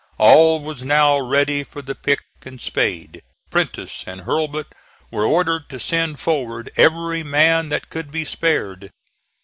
All was now ready for the pick and spade. Prentiss and Hurlbut were ordered to send forward every man that could be spared.